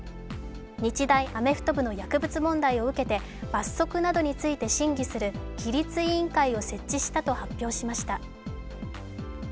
日大アメフト部の薬物問題を受けて、罰則などについて審議する規律委員会を設置したと発表しました。